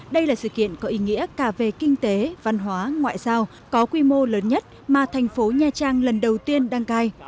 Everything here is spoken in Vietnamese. đây là sự kiện có ý nghĩa cả về kinh tế văn hóa ngoại giao có quy mô lớn nhất mà thành phố nha trang lần đầu tiên đăng cai